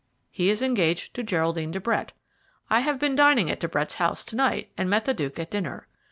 "He is engaged to Geraldine de Brett. I have been dining at De Brett's house to night, and met the Duke at dinner.